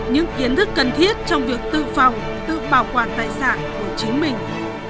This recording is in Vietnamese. những kiến thức cần thiết trong việc tự phòng tự bảo quản tài sản của chính mình